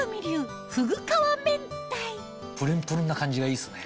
プルンプルンな感じがいいっすね。